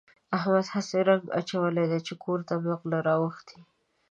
احمد هسې رنګ اچولی دی چې کور ته مې غله راوښتي دي.